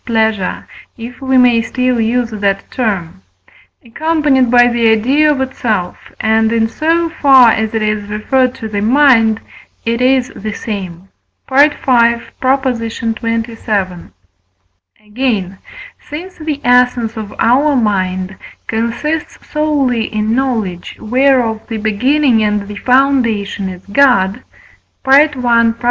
pleasure, if we may still use that term, accompanied by the idea of itself, and, in so far as it is referred to the mind, it is the same (V. xxvii.). Again, since the essence of our mind consists solely in knowledge, whereof the beginning and the foundation is God (I.